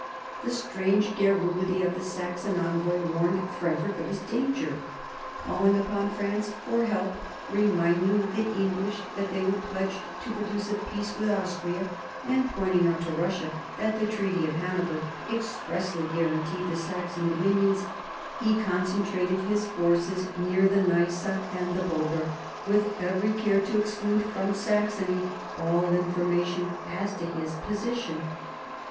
The strange garrulity of the Saxon envoy warned Frederick of his danger. Calling upon France for help, reminding the English that they were pledged to produce a peace with Austria, and pointing out to Eussia that the Treaty of Hanover expressly guaranteed the Saxon dominions, he concentrated his forces near the Neisse and the Bober, with every care to exclude from Saxony all information as to his position.